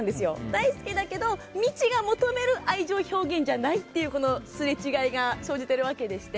大好きだけどみちが求める愛情表現じゃないっていうこのすれ違いが生じているわけでして。